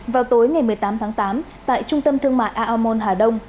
vào tối ngày một mươi tám tháng tám tại trung tâm thương mại aomon hà đông